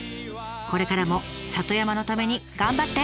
これからも里山のために頑張って！